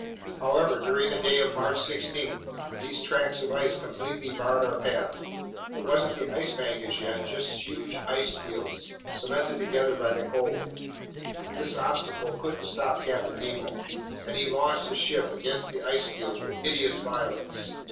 However, during the day of March 16, these tracts of ice completely barred our path. It wasn't the Ice Bank as yet, just huge ice fields cemented together by the cold. This obstacle couldn't stop Captain Nemo, and he launched his ship against the ice fields with hideous violence.